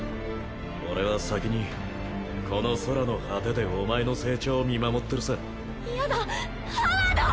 俺は先にこの空の果てでお前の成長を見守ってるさ嫌だハワード！